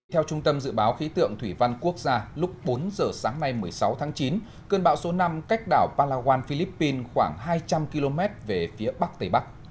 theo trung tâm dự báo khí tượng thủy văn quốc gia lúc bốn giờ sáng nay một mươi sáu tháng chín cơn bão số năm cách đảo palawan philippines khoảng hai trăm linh km về phía bắc tây bắc